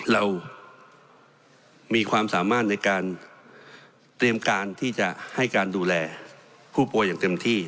เรามีความสามารถในการเตรียมการที่จะให้การดูแลผู้ป่วยอย่างเต็มที่